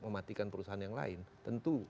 mematikan perusahaan yang lain tentu